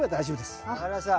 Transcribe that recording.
分かりました。